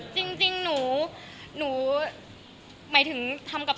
สวัสดีครับ